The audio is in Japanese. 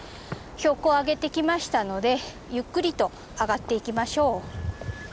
標高を上げてきましたのでゆっくりと上がっていきましょう。